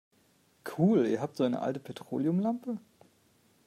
Cool, ihr habt so eine alte Petroleumlampe?